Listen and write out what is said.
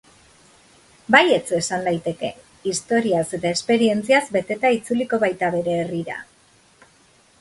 Baietz esan daiteke, historiaz eta esperientziaz beteta itzuliko baita bere herrira.